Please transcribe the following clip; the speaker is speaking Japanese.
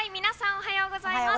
おはようございます。